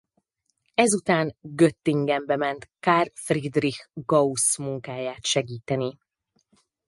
Ezután Göttingenbe ment Carl Friedrich Gauss munkáját segíteni.